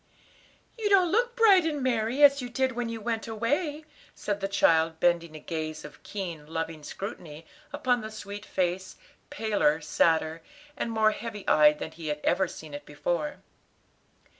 "You don't look bright and merry, as you did when you went away," said the child, bending a gaze of keen, loving scrutiny upon the sweet face, paler, sadder, and more heavy eyed than he had ever seen it before.